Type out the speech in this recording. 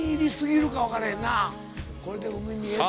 これで海見えた。